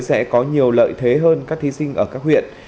sẽ có nhiều lợi thế hơn các thí sinh ở các huyện